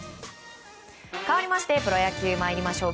かわりましてプロ野球にまいりましょう。